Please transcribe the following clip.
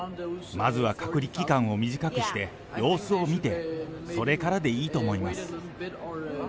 まずは隔離期間を短くして様子を見て、それからでいいと思います。